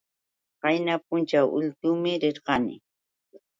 Qayna pućhaw ultuumi rirqani.